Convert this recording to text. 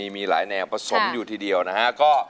มีหลายแนวผสมอยู่ทีเดียวนะฮะ